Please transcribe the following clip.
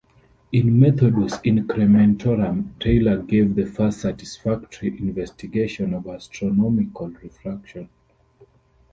In "Methodus Incrementorum", Taylor gave the first satisfactory investigation of astronomical refraction.